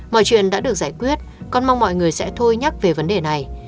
mọi chuyện đã được giải quyết con mong mọi người sẽ thôi nhắc về vấn đề này